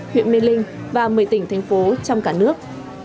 huyện mê linh và một mươi tỉnh thành phố trong cả nước